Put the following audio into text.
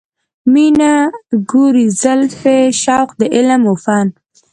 مینه، ګورې زلفې، شوق د علم و فن